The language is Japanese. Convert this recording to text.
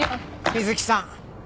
水木さん。